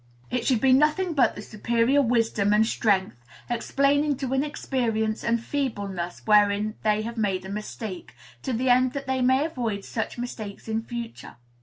It should be nothing but the superior wisdom and strength, explaining to inexperience and feebleness wherein they have made a mistake, to the end that they may avoid such mistakes in future.